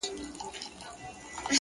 ریښتینی ملګری حقیقت نه پټوي!